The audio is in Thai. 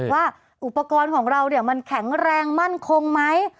ว่าอุปกรณ์ของเรามันแข็งแรงมั่นคงไหม